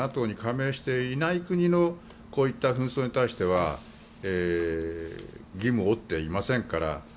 ＮＡＴＯに加盟していない国のこういった紛争に対しては義務を負ってはいませんから。